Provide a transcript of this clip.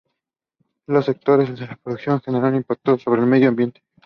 Los sectores de la producción generan impactos sobre el medio ambiente.